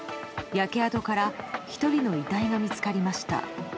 焼け跡から１人の遺体が見つかりました。